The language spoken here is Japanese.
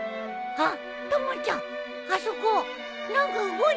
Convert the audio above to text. あっ！